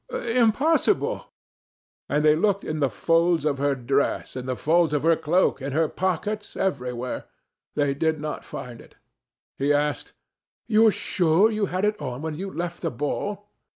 Impossible!" And they looked in the folds of her dress, in the folds of her cloak, in her pockets, everywhere. They did not find it. He asked: "You're sure you had it on when you left the ball?"